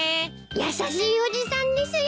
優しいおじさんですよ。